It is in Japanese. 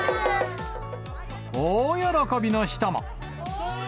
大喜びの人も。